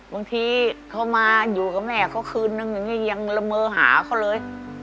บางทีเขามาอยู่กับแม่ทั้งคืนนึงยังหละเมอหาเขาเลย